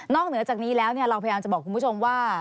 เหนือจากนี้แล้วเราพยายามจะบอกคุณผู้ชมว่า